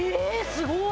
すごい。